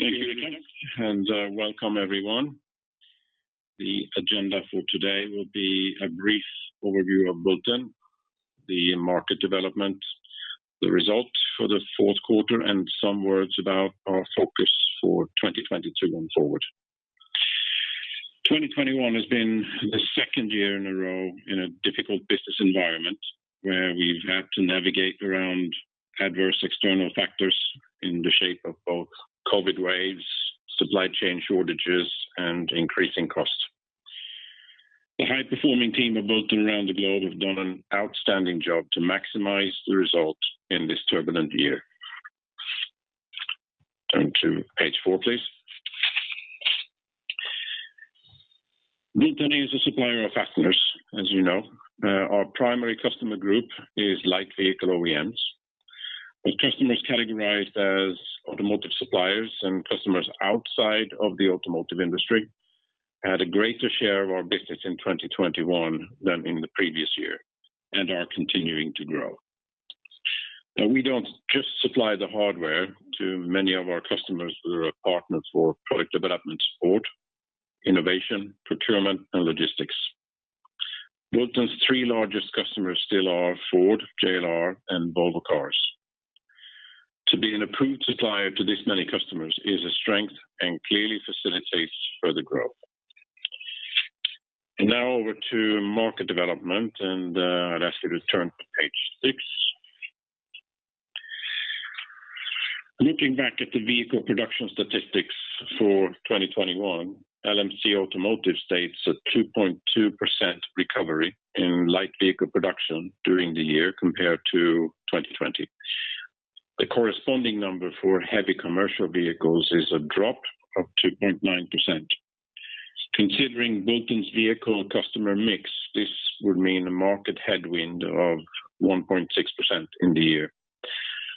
Thank you, Niclas, and welcome everyone. The agenda for today will be a brief overview of Bulten, the market development, the result for the fourth quarter, and some words about our focus for 2022 going forward. 2021 has been the second year in a row in a difficult business environment where we've had to navigate around adverse external factors in the shape of both COVID waves, supply chain shortages, and increasing costs. The high-performing team of Bulten around the globe have done an outstanding job to maximize the results in this turbulent year. Turn to page four, please. Bulten is a supplier of fasteners, as you know. Our primary customer group is light vehicle OEMs. Customers categorized as automotive suppliers and customers outside of the automotive industry had a greater share of our business in 2021 than in the previous year and are continuing to grow. Now, we don't just supply the hardware to many of our customers who are partners for product development support, innovation, procurement, and logistics. Bulten's three largest customers still are Ford, JLR, and Volvo Cars. To be an approved supplier to this many customers is a strength and clearly facilitates further growth. Now over to market development, and I'd ask you to turn to page six. Looking back at the vehicle production statistics for 2021, LMC Automotive states a 2.2% recovery in light vehicle production during the year compared to 2020. The corresponding number for heavy commercial vehicles is a drop of 2.9%. Considering Bulten's vehicle customer mix, this would mean a market headwind of 1.6% in the year.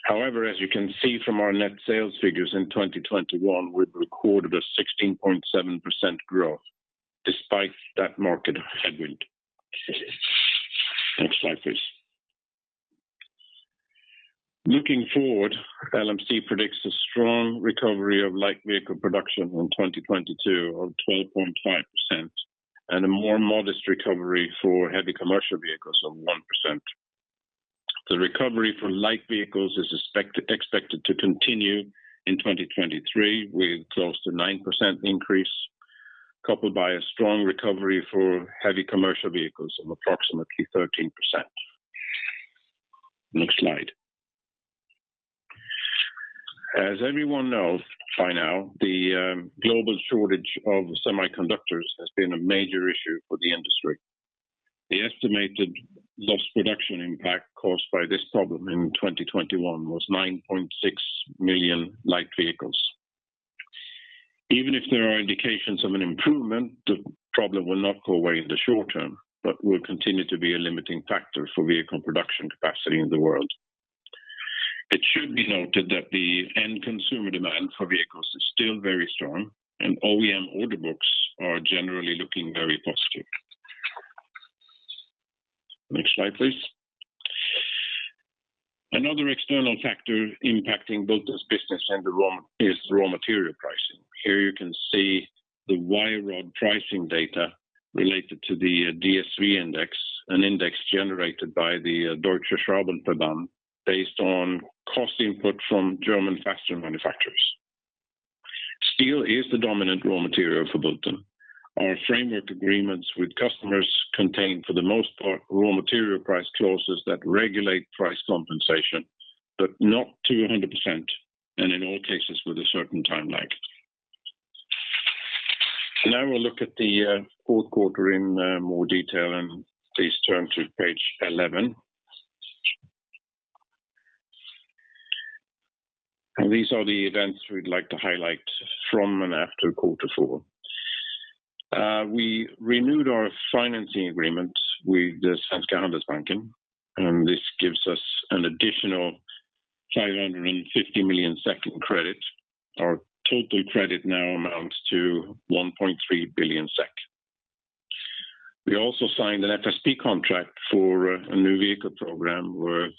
However, as you can see from our net sales figures in 2021, we've recorded a 16.7% growth despite that market headwind. Next slide, please. Looking forward, LMC predicts a strong recovery of light vehicle production in 2022 of 12.5% and a more modest recovery for heavy commercial vehicles of 1%. The recovery for light vehicles is expected to continue in 2023, with close to 9% increase, coupled with a strong recovery for heavy commercial vehicles of approximately 13%. Next slide. As everyone knows by now, the global shortage of semiconductors has been a major issue for the industry. The estimated lost production impact caused by this problem in 2021 was 9.6 million light vehicles. Even if there are indications of an improvement, the problem will not go away in the short term, but will continue to be a limiting factor for vehicle production capacity in the world. It should be noted that the end consumer demand for vehicles is still very strong, and OEM order books are generally looking very positive. Next slide, please. Another external factor impacting Bulten's business is raw material pricing. Here you can see the wire rod pricing data related to the DSV index, an index generated by the Deutscher Schraubenverband, based on cost input from German fastener manufacturers. Steel is the dominant raw material for Bulten. Our framework agreements with customers contain, for the most part, raw material price clauses that regulate price compensation, but not to 100%, and in all cases with a certain time lag. Now we'll look at the fourth quarter in more detail, and please turn to page 11. These are the events we'd like to highlight from and after quarter four. We renewed our financing agreement with the Svenska Handelsbanken, and this gives us an additional 550 million SEK in credit. Our total credit now amounts to 1.3 billion SEK. We also signed an FSP contract for a new vehicle program worth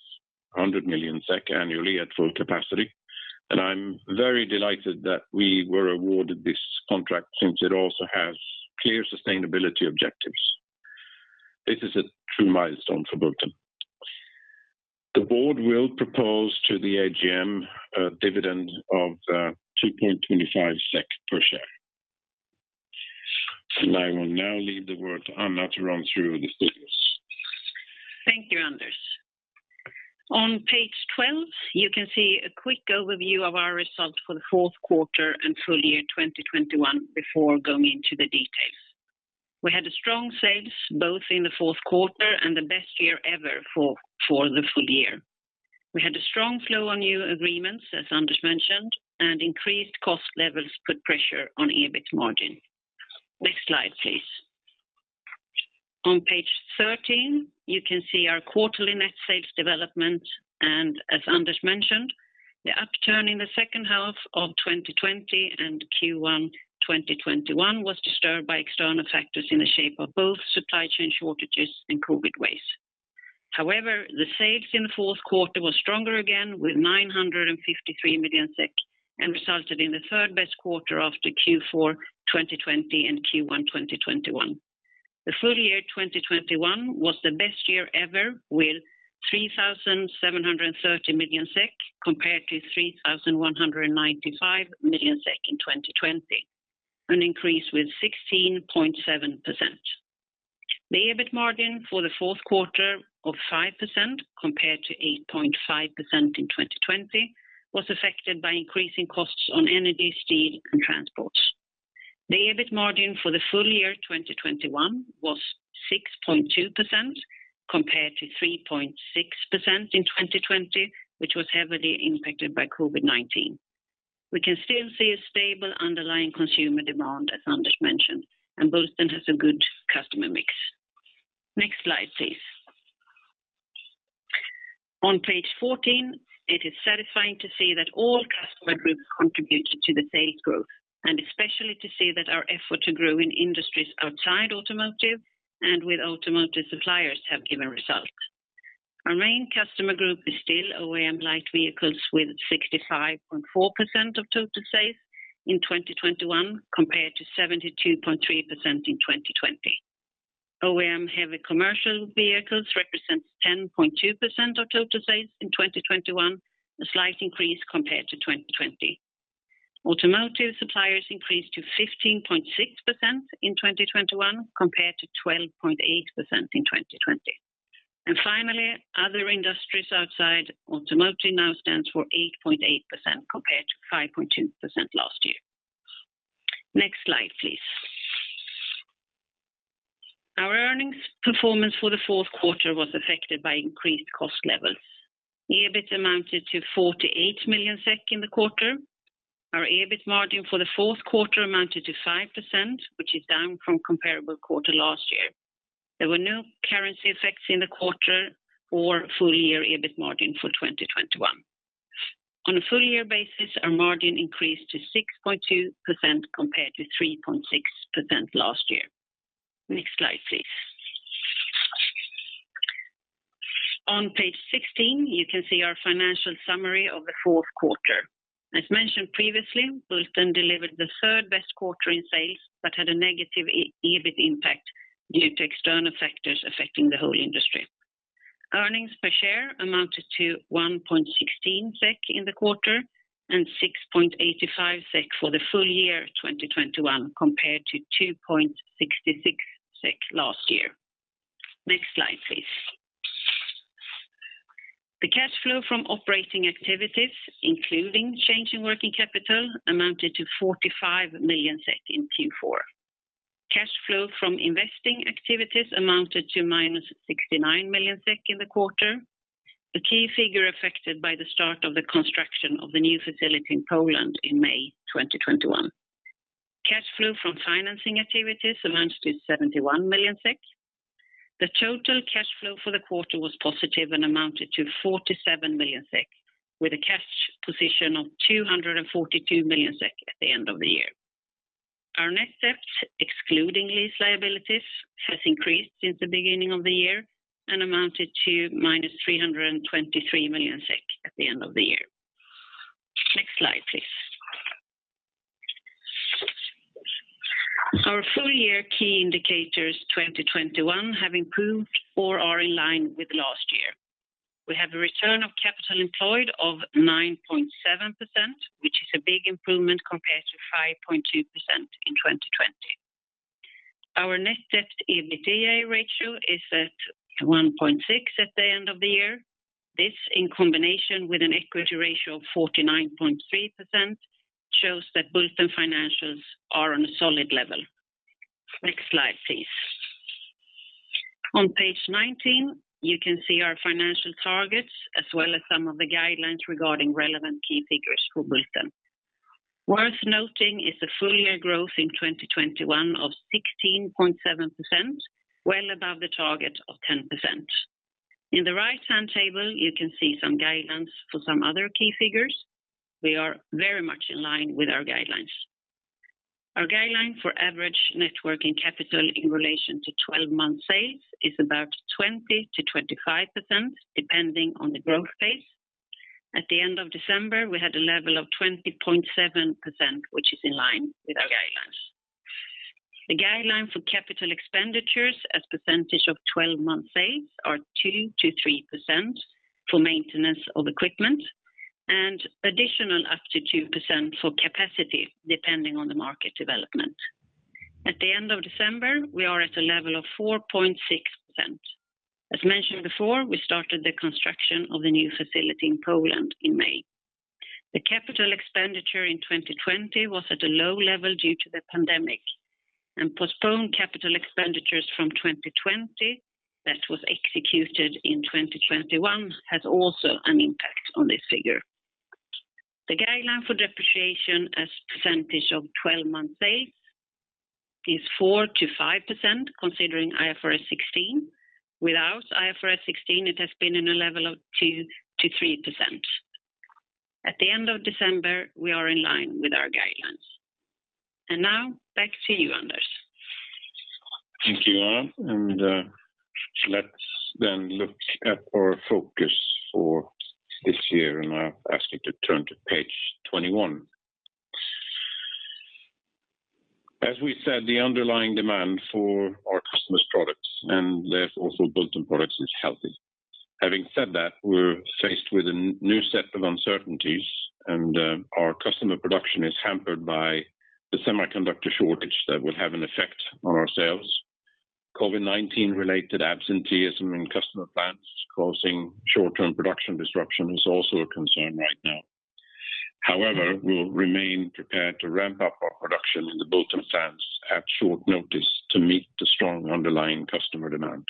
100 million SEK annually at full capacity, and I'm very delighted that we were awarded this contract since it also has clear sustainability objectives. This is a true milestone for Bulten. The board will propose to the AGM a dividend of 2.25 SEK per share. I will now leave the word to Anna to run through the figures. Thank you, Anders. On page 12, you can see a quick overview of our results for the fourth quarter and full year 2021 before going into the details. We had strong sales both in the fourth quarter and the best year ever for the full year. We had a strong flow on new agreements, as Anders mentioned, and increased cost levels put pressure on EBIT margin. Next slide, please. On page 13, you can see our quarterly net sales development and, as Anders mentioned, the upturn in the second half of 2020 and Q1 2021 was disturbed by external factors in the shape of both supply chain shortages and COVID waves. However, the sales in the fourth quarter was stronger again with 953 million SEK and resulted in the third best quarter after Q4 2020 and Q1 2021. The full year 2021 was the best year ever with 3,730 million SEK compared to 3,195 million SEK in 2020, an increase with 16.7%. The EBIT margin for the fourth quarter of 5% compared to 8.5% in 2020 was affected by increasing costs on energy, steel, and transports. The EBIT margin for the full year 2021 was 6.2% compared to 3.6% in 2020, which was heavily impacted by COVID-19. We can still see a stable underlying consumer demand, as Anders mentioned, and Bulten has a good customer mix. Next slide, please. On page 14, it is satisfying to see that all customer groups contributed to the sales growth, and especially to see that our effort to grow in industries outside automotive and with automotive suppliers have given results. Our main customer group is still OEM light vehicles with 65.4% of total sales in 2021 compared to 72.3% in 2020. OEM heavy commercial vehicles represents 10.2% of total sales in 2021, a slight increase compared to 2020. Automotive suppliers increased to 15.6% in 2021 compared to 12.8% in 2020. Finally, other industries outside automotive now stands for 8.8% compared to 5.2% last year. Next slide, please. Our earnings performance for the fourth quarter was affected by increased cost levels. EBIT amounted to 48 million SEK in the quarter. Our EBIT margin for the fourth quarter amounted to 5%, which is down from comparable quarter last year. There were no currency effects in the quarter or full year EBIT margin for 2021. On a full year basis, our margin increased to 6.2% compared to 3.6% last year. Next slide, please. On page 16, you can see our financial summary of the fourth quarter. As mentioned previously, Bulten delivered the third best quarter in sales but had a negative EBIT impact due to external factors affecting the whole industry. Earnings per share amounted to 1.16 SEK in the quarter and 6.85 SEK for the full year 2021 compared to 2.66 SEK last year. Next slide, please. The cash flow from operating activities, including change in working capital, amounted to 45 million SEK in Q4. Cash flow from investing activities amounted to -69 million SEK in the quarter, the key figure affected by the start of the construction of the new facility in Poland in May 2021. Cash flow from financing activities amounts to 71 million SEK. The total cash flow for the quarter was positive and amounted to 47 million SEK with a cash position of 242 million SEK at the end of the year. Our net debt, excluding lease liabilities, has increased since the beginning of the year and amounted to -323 million SEK at the end of the year. Next slide, please. Our full year key indicators 2021 have improved or are in line with last year. We have a return of capital employed of 9.7%, which is a big improvement compared to 5.2% in 2020. Our net debt EBITDA ratio is at 1.6 at the end of the year. This in combination with an equity ratio of 49.3% shows that Bulten financials are on a solid level. Next slide, please. On page 19, you can see our financial targets, as well as some of the guidelines regarding relevant key figures for Bulten. Worth noting is the full year growth in 2021 of 16.7%, well above the target of 10%. In the right-hand table, you can see some guidelines for some other key figures. We are very much in line with our guidelines. Our guideline for average net working capital in relation to twelve months sales is about 20%-25%, depending on the growth phase. At the end of December, we had a level of 20.7%, which is in line with our guidelines. The guideline for capital expenditures as percentage of 12-month sales are 2%-3% for maintenance of equipment and additional up to 2% for capacity, depending on the market development. At the end of December, we are at a level of 4.6%. As mentioned before, we started the construction of the new facility in Poland in May. The capital expenditure in 2020 was at a low level due to the pandemic, and postponed capital expenditures from 2020 that was executed in 2021 has also an impact on this figure. The guideline for depreciation as percentage of 12-month sales is 4%-5% considering IFRS 16. Without IFRS 16, it has been in a level of 2%-3%. At the end of December, we are in line with our guidelines. Now back to you, Anders. Thank you, Anna. Let's then look at our focus for this year, and I'll ask you to turn to page 21. As we said, the underlying demand for our customers' products, and therefore also Bulten products, is healthy. Having said that, we're faced with a new set of uncertainties, and our customer production is hampered by the semiconductor shortage that will have an effect on our sales. COVID-19 related absenteeism in customer plants, causing short-term production disruption, is also a concern right now. However, we'll remain prepared to ramp up our production in the Bulten plants at short notice to meet the strong underlying customer demand.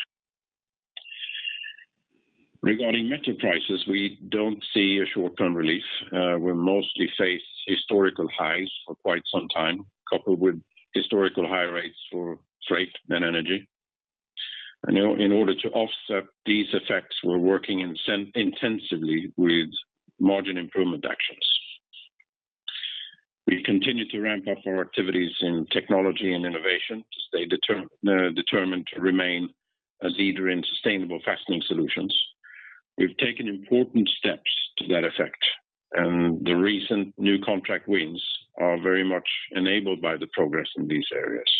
Regarding metal prices, we don't see a short-term relief. We mostly face historical highs for quite some time, coupled with historical high rates for freight and energy. In order to offset these effects, we're working intensively with margin improvement actions. We continue to ramp up our activities in technology and innovation to stay determined to remain a leader in sustainable fastening solutions. We've taken important steps to that effect, and the recent new contract wins are very much enabled by the progress in these areas.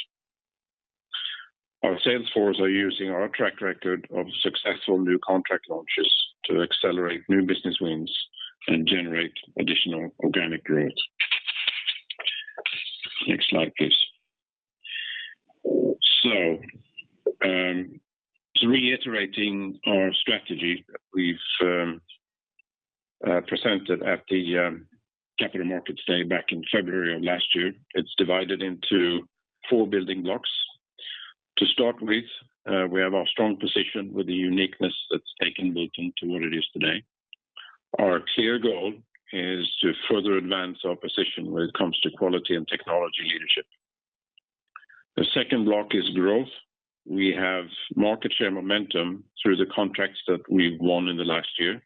Our sales force are using our track record of successful new contract launches to accelerate new business wins and generate additional organic growth. Next slide, please. Reiterating our strategy that we've presented at the Capital Markets Day back in February of last year, it's divided into four building blocks. To start with, we have our strong position with the uniqueness that's taken Bulten to what it is today. Our clear goal is to further advance our position when it comes to quality and technology leadership. The second block is growth. We have market share momentum through the contracts that we won in the last year.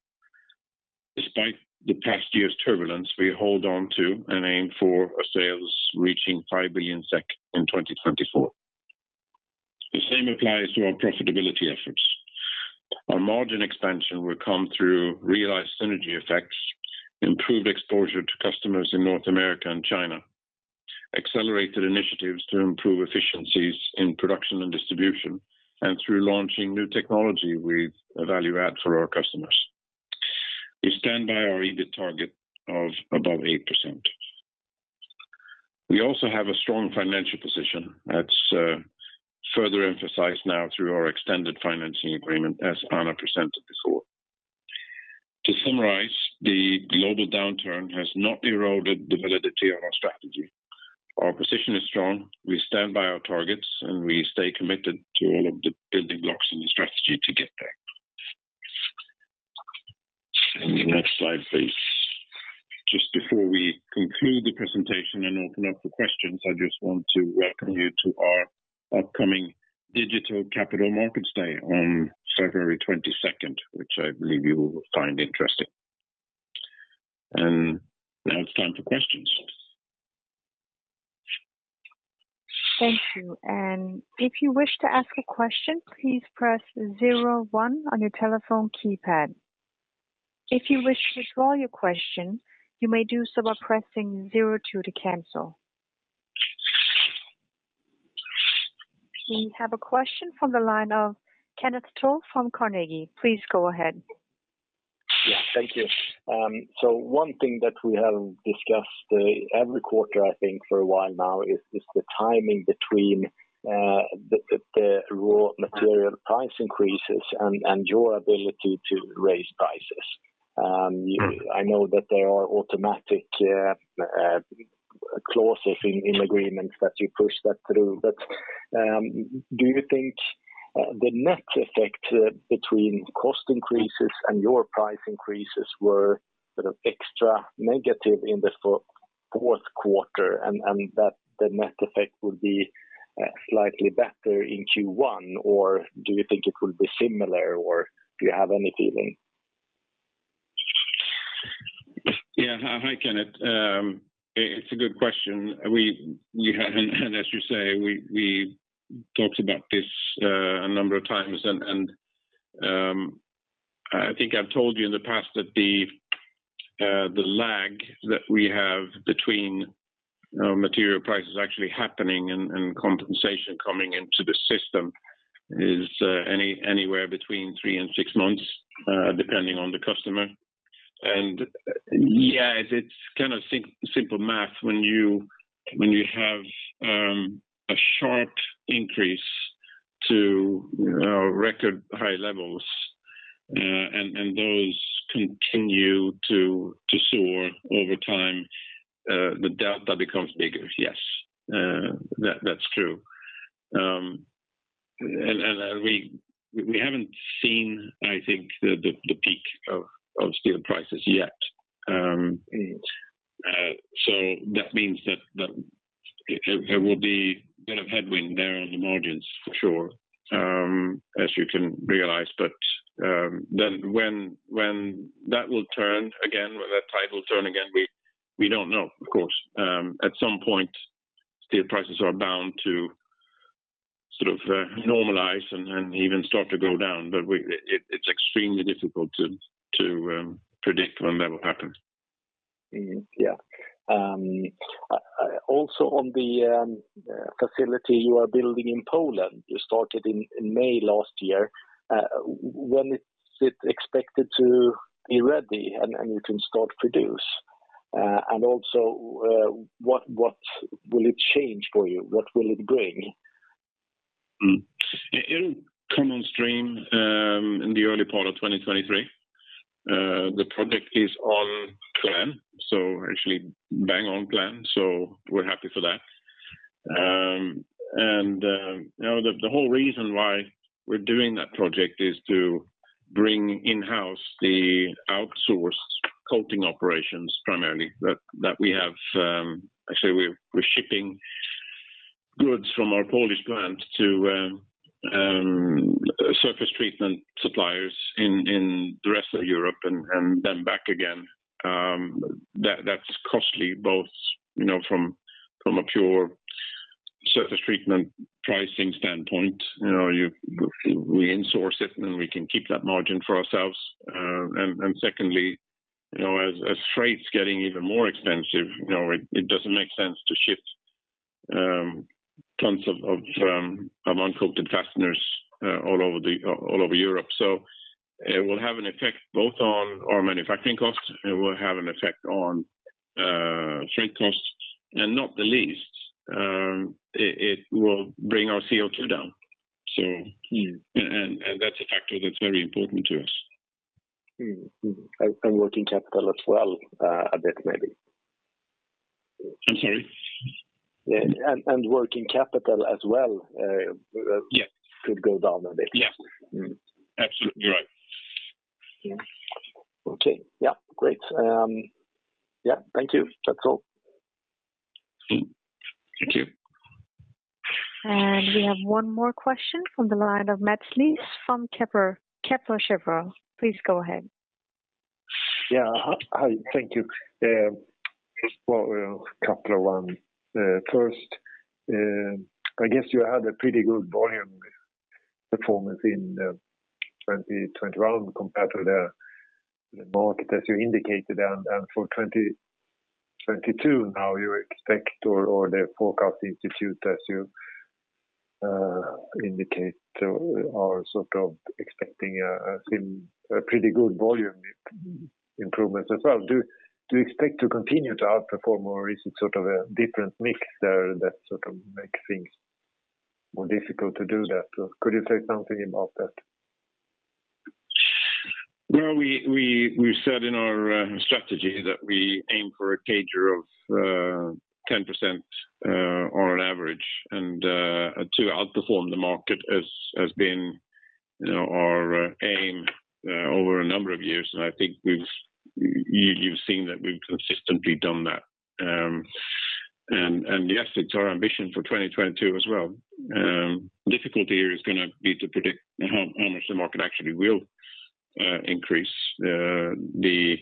Despite the past year's turbulence, we hold on to and aim for our sales reaching 5 billion SEK in 2024. The same applies to our profitability efforts. Our margin expansion will come through realized synergy effects, improved exposure to customers in North America and China, accelerated initiatives to improve efficiencies in production and distribution, and through launching new technology with a value add for our customers. We stand by our EBIT target of above 8%. We also have a strong financial position that's further emphasized now through our extended financing agreement, as Anna presented before. To summarize, the global downturn has not eroded the validity of our strategy. Our position is strong. We stand by our targets, and we stay committed to all of the building blocks in the strategy to get there. The next slide, please. Just before we conclude the presentation and open up for questions, I just want to welcome you to our upcoming digital Capital Markets Day on February 22nd, which I believe you will find interesting. Now it's time for questions. Thank you. If you wish to ask a question, please press zero one on your telephone keypad. If you wish to withdraw your question, you may do so by pressing zero two to cancel. We have a question from the line of Kenneth Toll from Carnegie. Please go ahead. Yeah, thank you. One thing that we have discussed every quarter, I think, for a while now, is the timing between the raw material price increases and your ability to raise prices. Mm-hmm. I know that there are automatic clauses in agreements that you push that through. But do you think the net effect between cost increases and your price increases were sort of extra negative in the fourth quarter and that the net effect would be slightly better in Q1, or do you think it will be similar, or do you have any feeling? Yeah. Hi, Kenneth. It's a good question. We have and as you say, we talked about this a number of times, and I think I've told you in the past that the lag that we have between material prices actually happening and compensation coming into the system is anywhere between three and six months, depending on the customer. Yeah, it's kind of simple math. When you have a sharp increase to record high levels, and those continue to soar over time, the delta becomes bigger. Yes, that's true. We haven't seen, I think, the peak of steel prices yet. Mm-hmm. That means that there will be a bit of headwind there on the margins for sure, as you can realize. When that will turn again, when that tide will turn again, we don't know, of course. At some point, steel prices are bound to sort of normalize and even start to go down. It's extremely difficult to predict when that will happen. Also on the facility you are building in Poland, you started in May last year. When is it expected to be ready and you can start produce? Also, what will it change for you? What will it bring? It'll come on stream in the early part of 2023. The project is on plan, actually bang on plan, so we're happy for that. You know, the whole reason why we're doing that project is to bring in-house the outsourced coating operations primarily we have. Actually, we're shipping goods from our Polish plant to surface treatment suppliers in the rest of Europe and then back again. That's costly both, you know, from a pure surface treatment pricing standpoint. You know, we in-source it, and we can keep that margin for ourselves. Secondly, you know, as freight's getting even more expensive, you know, it doesn't make sense to ship tons of uncoated fasteners all over Europe. It will have an effect both on our manufacturing costs, it will have an effect on freight costs, and not the least, it will bring our CO2 down. Mm. That's a factor that's very important to us. Mm-hmm. Working capital as well, a bit maybe. I'm sorry? Yeah. Working capital as well. Yeah. Could go down a bit. Yeah. Mm. Absolutely right. Yeah. Okay. Yeah, great. Yeah. Thank you. That's all. Thank you. We have one more question from the line of Mats Liss from Kepler Cheuvreux. Please go ahead. Yeah. Hi. Thank you. Well, a couple of one. First, I guess you had a pretty good volume performance in 2021 compared to the market as you indicated. For 2022 now you expect or the forecast institute as you indicate, so are sort of expecting a pretty good volume improvements as well. Do you expect to continue to outperform, or is it sort of a different mix there that sort of make things more difficult to do that? Could you say something about that? We said in our strategy that we aim for a CAGR of 10% on average. To outperform the market has been, you know, our aim over a number of years, and I think you've seen that we've consistently done that. Yes, it's our ambition for 2022 as well. Difficulty here is gonna be to predict how much the market actually will increase. The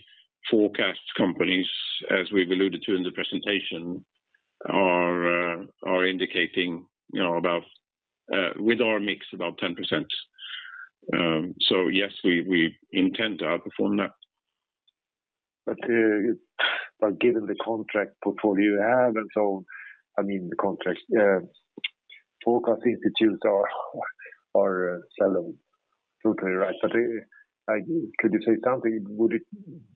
forecast companies, as we've alluded to in the presentation, are indicating, you know, about with our mix, about 10%. Yes, we intend to outperform that. Given the contract portfolio you have and so, I mean, the contract forecast institutes are seldom totally right. Could you say something? Would it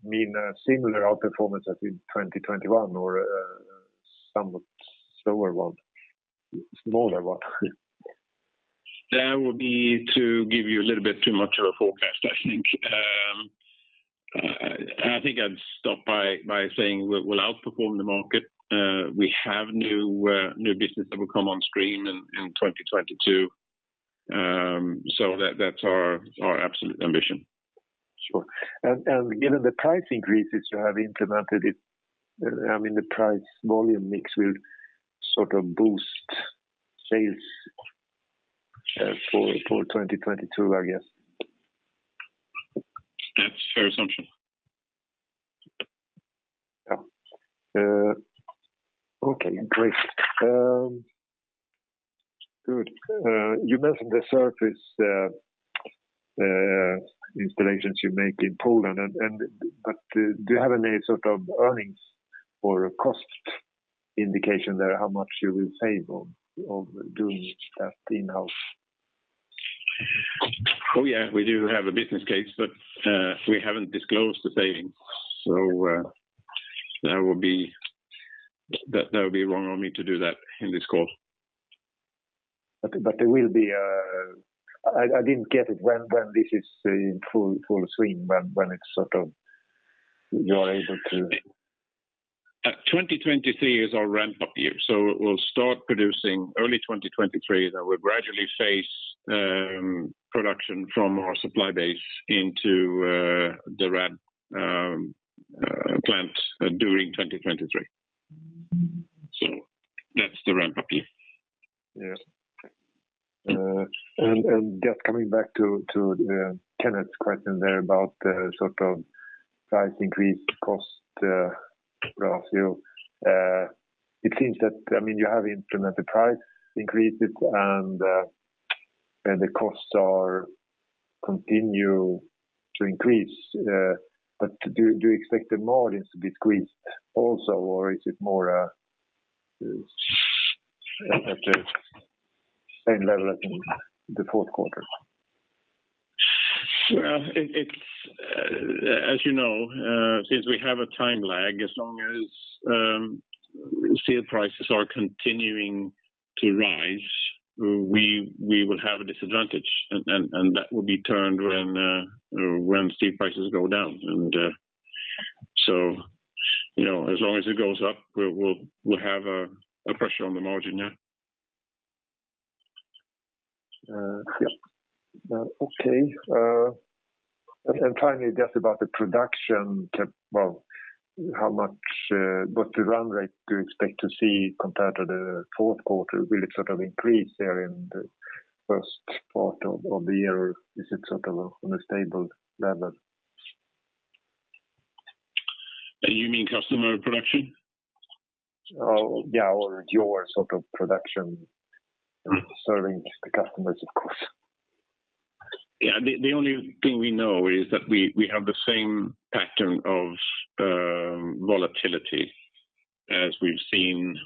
mean a similar outperformance as in 2021 or somewhat slower one, smaller one? That would be to give you a little bit too much of a forecast, I think. I think I'd stop by saying we'll outperform the market. We have new business that will come on stream in 2022. That's our absolute ambition. Sure. Given the price increases you have implemented it, I mean, the price volume mix will sort of boost sales for 2022, I guess. That's a fair assumption. Yeah. Okay. Great. Good. You mentioned the surface installations you make in Poland, but do you have any sort of earnings or cost indication there, how much you will save on doing that in-house? Oh, yeah. We do have a business case, but we haven't disclosed the savings, so that would be wrong on me to do that in this call. There will be. I didn't get it when this is in full swing, when it's sort of you're able to- 2023 is our ramp-up year. We'll start producing early 2023, then we'll gradually phase production from our supply base into the ramp-up plant during 2023. That's the ramp up, yeah. Just coming back to Kenneth's question there about the sort of price increase cost ratio. It seems that, I mean, you have implemented price increases and the costs continue to increase. Do you expect the margins to be squeezed also? Or is it more at the same level as in the fourth quarter? Well, it's as you know since we have a time lag, as long as steel prices are continuing to rise, we will have a disadvantage and that will be turned when steel prices go down. You know, as long as it goes up, we'll have a pressure on the margin, yeah. Yep. Okay. Finally, just about the production. What the run rate do you expect to see compared to the fourth quarter? Will it sort of increase there in the first part of the year, or is it sort of on a stable level? You mean customer production? Your sort of production serving the customers, of course. Yeah. The only thing we know is that we have the same pattern of volatility as we've seen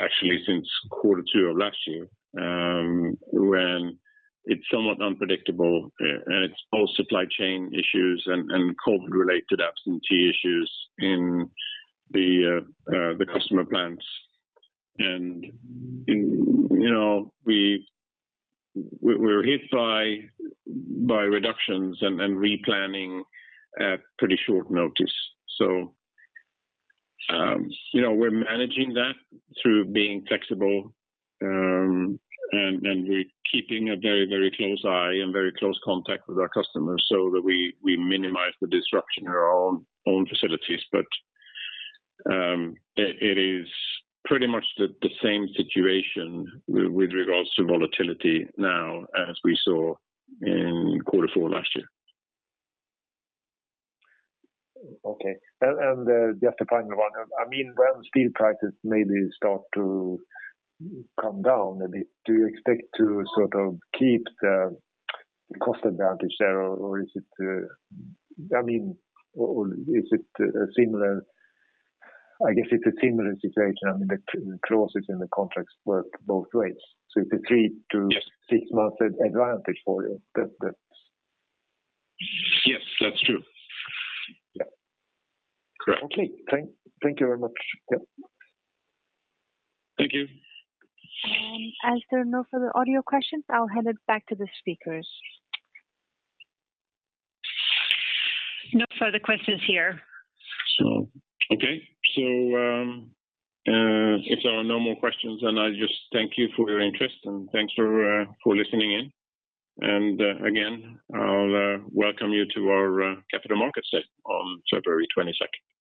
actually since quarter two of last year, when it's somewhat unpredictable. It's all supply chain issues and COVID related absentee issues in the customer plants. You know we're hit by reductions and replanning at pretty short notice. You know we're managing that through being flexible. We're keeping a very very close eye and very close contact with our customers so that we minimize the disruption in our own facilities. It is pretty much the same situation with regards to volatility now as we saw in quarter four last year. Okay. Just a final one. I mean, when steel prices maybe start to come down a bit, do you expect to sort of keep the cost advantage there? Or is it, I mean, I guess it's a similar situation. I mean, the clauses in the contracts work both ways, so it's a three to- Yes Six-month advantage for you. That. Yes, that's true. Yeah. Correct. Okay. Thank you very much. Yep. Thank you. As there are no further audio questions, I'll hand it back to the speakers. No further questions here. Okay. If there are no more questions, then I'll just thank you for your interest and thanks for listening in. Again, I'll welcome you to our Capital Markets Day on February twenty-second.